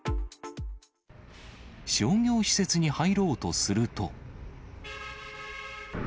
商業施設に入ろうとすると。